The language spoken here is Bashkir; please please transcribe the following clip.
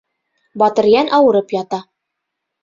Батырйән ауырып ята.